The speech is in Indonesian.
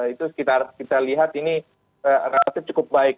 itu kita lihat ini relatif cukup baik